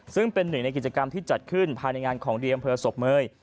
ซึ่งเป็นหนึ่งในกิจกรรมที่จัดขึ้นภายในงานของดีอำเภอศพเมย